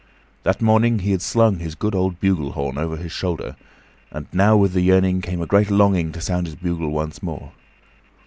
That morning he had slung his good old bugle horn over his shoulder, and now, with the yearning, came a great longing to sound his bugle once more.